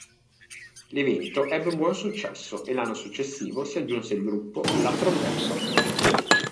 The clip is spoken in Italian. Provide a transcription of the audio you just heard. L'evento ebbe un buon successo e l'anno successivo si aggiunse il gruppo "La Trombetta".